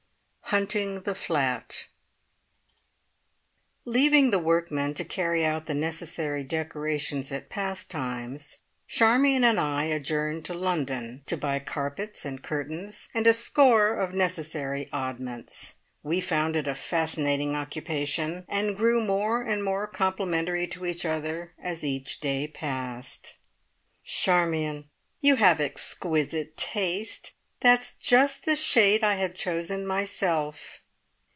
HUNTING THE FLAT. Leaving the workmen to carry out the necessary decorations at Pastimes, Charmion and I adjourned to London to buy carpets and curtains, and a score of necessary oddments. We found it a fascinating occupation, and grew more and more complimentary to each other as each day passed by. "Charmion, you have exquisite taste! That's just the shade I had chosen myself."